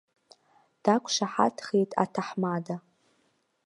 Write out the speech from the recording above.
Дақәшаҳаҭхеит аҭаҳмада.